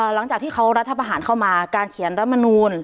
หลังจากที่เขารัฐพหารเข้ามาการเขียนรับรับมนุน